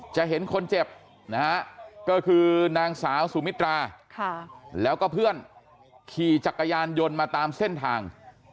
จะเห็นคนเจ็บนะฮะก็คือนางสาวสุมิตราแล้วก็เพื่อนขี่จักรยานยนต์มาตามเส้นทาง